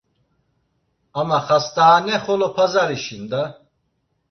Ama xast̆aane xolo Pazarişin da!